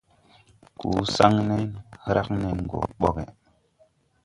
Koo saŋne hrag nen gɔ bɔgge.